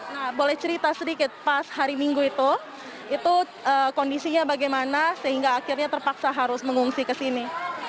nah boleh cerita sedikit pas hari minggu itu itu kondisinya bagaimana sehingga akhirnya terpaksa harus mengungsi ke sini